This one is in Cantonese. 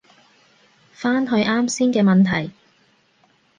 返去啱先嘅問題